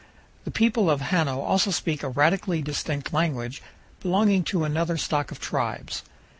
The people of Hano also speak a radically distinct language, belonging to another stock of tribes.